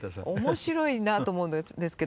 面白いなと思うんですけど。